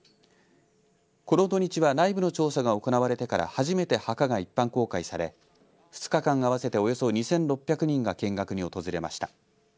この土日は内部の調査が行われてから初めて墓が一般公開され２日間合わせておよそ２６００人が見学に訪れました。